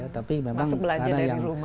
tapi memang ada yang